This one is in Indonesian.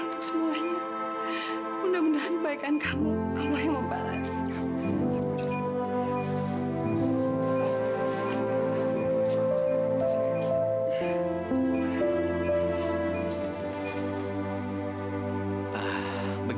terima kasih banyak ya ibu